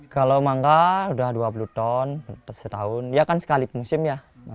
kalau mangga sudah dua puluh ton setahun ya kan sekalip musim ya